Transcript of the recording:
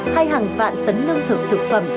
hay hàng vạn tấn lương thực thực phẩm